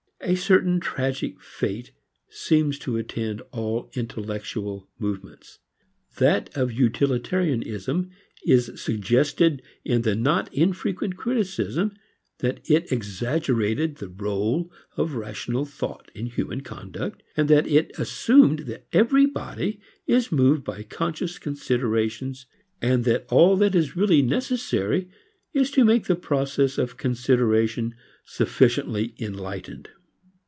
A certain tragic fate seems to attend all intellectual movements. That of utilitarianism is suggested in the not infrequent criticism that it exaggerated the rôle of rational thought in human conduct, that it assumed that everybody is moved by conscious considerations and that all that is really necessary is to make the process of consideration sufficiently enlightened.